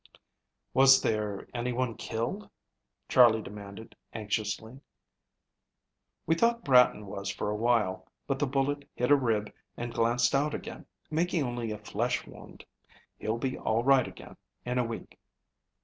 "Was there any one killed?" Charley demanded anxiously. "We thought Bratton was for a while, but the bullet hit a rib and glanced out again, making only a flesh wound. He'll be all right again in a week.